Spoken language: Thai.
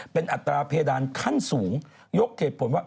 เป็นอัตราเพดานขั้นสูงยกเหตุผลว่า